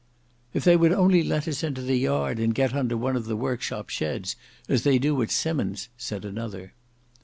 "If they would only let us into the yard and get under one of the workshop sheds, as they do at Simmon's," said another.